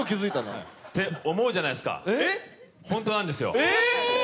って思うじゃないですか、本当なんですよ。